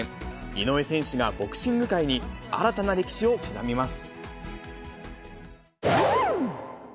井上選手がボクシング界に新たな歴史を刻みます。